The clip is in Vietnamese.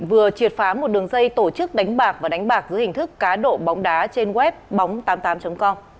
vừa triệt phá một đường dây tổ chức đánh bạc và đánh bạc dưới hình thức cá độ bóng đá trên web bóng tám mươi tám com